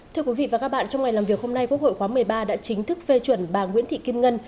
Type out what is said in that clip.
thưa quý vị và các bạn trong ngày làm việc hôm nay quốc hội khóa một mươi ba đã chính thức phê chuẩn bà nguyễn thị kim ngân